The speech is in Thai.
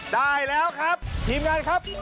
ได้แล้วครับทีมงานครับ